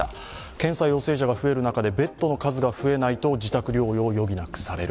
検査陽性者が増える中で、ベッドの数が増えないと自宅療養を余儀なくされる。